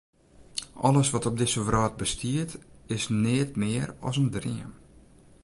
Alles wat op dizze wrâld bestiet, is neat mear as in dream.